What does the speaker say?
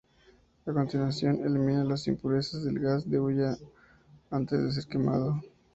A continuación, elimina las impurezas del gas de hulla antes de ser quemado.